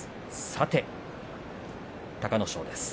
さて、隆の勝です。